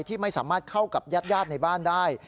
ที่ไม่สามารถเข้ากับญาติในบ้านได้